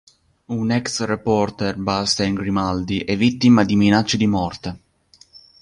Un ex reporter, Bastien Grimaldi, è vittima di minacce di morte.